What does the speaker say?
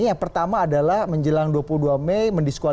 yang pertama adalah menjelang dua puluh dua mei